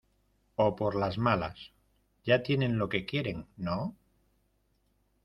o por las malas. ya tienen lo que quieren, ¿ no?